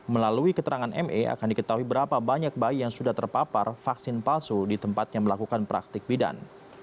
melalui keterangan ma akan diketahui berapa banyak bayi yang sudah terpapar vaksin palsu di tempatnya melakukan praktik bidan